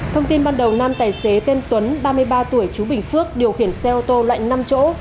thông tin ban đầu nam tài xế tên tuấn ba mươi ba tuổi chú bình phước điều khiển xe ô tô loại năm chỗ